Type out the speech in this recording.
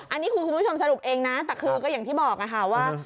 อันนี้คือคุณผู้ชมสรุปเองนะแต่คือก็อย่างที่บอกค่ะว่า